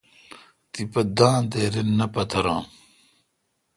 تیپہ دان تے رن نہ پتران۔